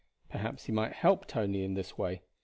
Perhaps he might help Tony in this way.